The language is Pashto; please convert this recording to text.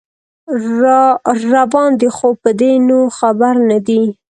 راروان دی خو په دې نو خبر نه دی